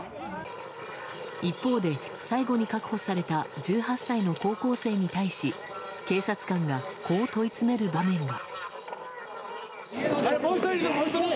一方で、最後に確保された１８歳の高校生に対し警察官がこう問い詰める場面も。